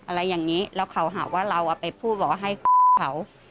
อะไรอย่างนี้แล้วเขาหาว่าเราเอาไปพูดบอกว่าให้เขา